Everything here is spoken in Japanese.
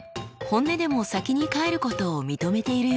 本音でも先に帰ることを認めているようです。